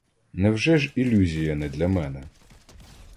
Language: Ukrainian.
Невже ж ілюзія не для мене?